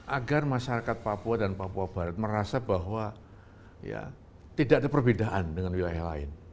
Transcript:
agar masyarakat papua dan papua barat merasa bahwa tidak ada perbedaan dengan wilayah lain